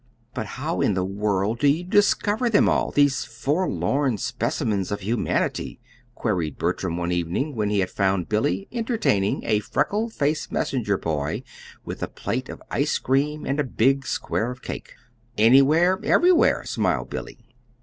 "But how in the world do you discover them all these forlorn specimens of humanity?" queried Bertram one evening, when he had found Billy entertaining a freckled faced messenger boy with a plate of ice cream and a big square of cake. "Anywhere everywhere," smiled Billy.